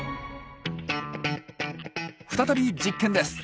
再び実験です。